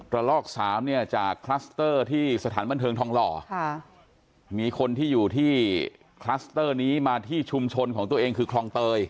ลอกสามเนี่ยจากคลัสเตอร์ที่สถานบันเทิงทองหล่อมีคนที่อยู่ที่คลัสเตอร์นี้มาที่ชุมชนของตัวเองคือคลองเตย